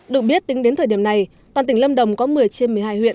được biết tính đến thời điểm này toàn tỉnh lâm đồng có một mươi trên một mươi hai huyện